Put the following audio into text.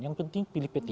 yang penting pilih p tiga